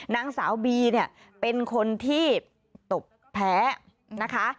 นางสาวบีเนี่ยเป็นคนที่ตบแพ้นะคะ